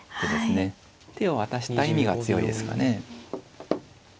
手を渡した意味が強いですかね。